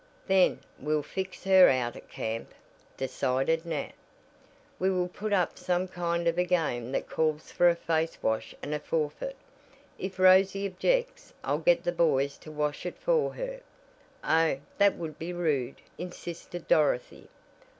"Then we'll fix her out at camp," decided Nat. "We will put up some kind of a game that calls for a face wash and a forfeit. If Rosy objects I'll get the boys to wash it for her." "Oh, that would be rude," insisted Dorothy.